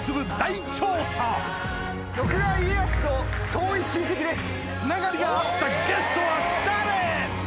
徳川家康と遠い親戚です。